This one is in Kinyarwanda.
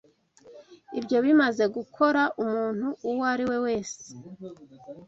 Ibyo bimaze gukora umuntu uwo ari we wese?